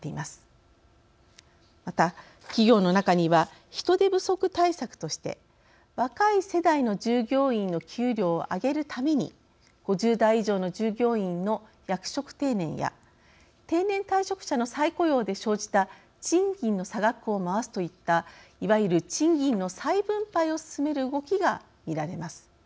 また企業の中には人手不足対策として若い世代の従業員の給料を上げるために５０代以上の従業員の役職定年や定年退職者の再雇用で生じた賃金の差額を回すといったいわゆる賃金の再分配を進める動きが見られます。